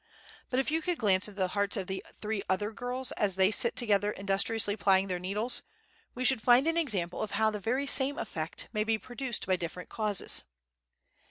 But if you could glance into the hearts of the three other girls as they sit together industriously plying their needles, we should find an example of how the very same effect may be produced by different causes.